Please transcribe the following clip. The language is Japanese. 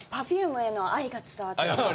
Ｐｅｒｆｕｍｅへの愛が伝わってきました。